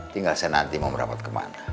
tinggal saya nanti mau merawat kemana